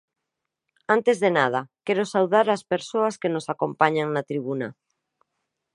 Antes de nada, quero saudar as persoas que nos acompañan na tribuna.